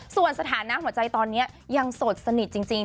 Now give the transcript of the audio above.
ส่วนสถานะหัวใจตอนนี้ยังโสดสนิทจริง